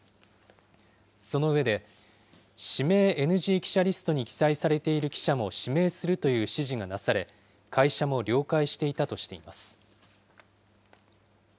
その上で、指名ＮＧ記者リストに記載されている記者も指名するという指示がなされ、会社も了解していたとしています。